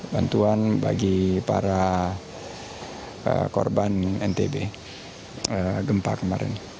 bantuan bagi para korban ntb gempa kemarin